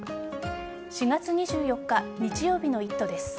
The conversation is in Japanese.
４月２４日日曜日の「イット！」です。